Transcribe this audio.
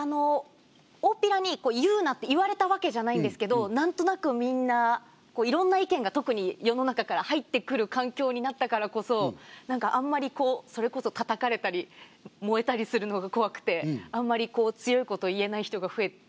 大っぴらにこう「言うな」って言われたわけじゃないんですけど何となくみんないろんな意見が特に世の中から入ってくる環境になったからこそ何かあんまりそれこそたたかれたり燃えたりするのが怖くてあんまり強いことを言えない人が増えている感じはあります。